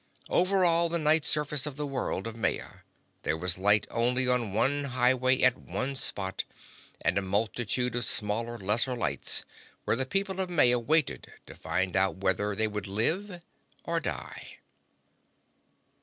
Over all the night surface of the world of Maya there was light only on one highway at one spot, and a multitude of smaller, lesser lights where the people of Maya waited to find out whether they would live or die.